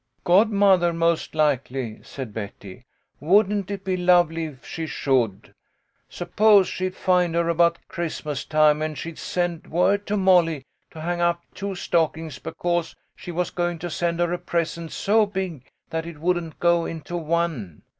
" Godmother, most likely," said Betty. " Wouldn't it be lovely if she should ? Suppose she'd find her about Christmas time, and she'd send word to Molly LEFT BEHIND. 121 to hang up two stockings, because she was going to send her a present so big that it wouldn't go into one.